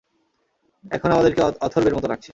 এখন আমাদেরকে অথর্বের মতো লাগছে!